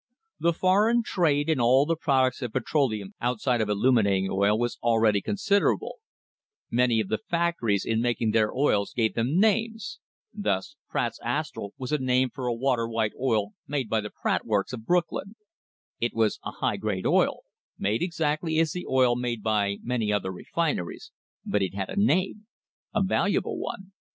The foreign trade in all the products of petroleum outside of illuminating oil was already considerable.* Many of the factories in making their oils gave them names; thus, Pratt's PRODUCTS OBTAINED FROM THE DISTILLATION OF CRUDE OIL IN LUBRICATING WORKS. Astral was a name for a water white oil made by the Pratt works of Brooklyn. It was a high grade oil, made exactly as the oil made by many other refineries, but it had a name a valuable one.